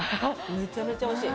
めちゃめちゃおいしい。